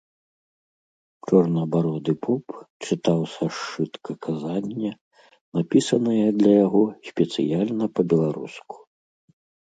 Чорнабароды поп чытаў са сшытка казанне, напісанае для яго спецыяльна па-беларуску.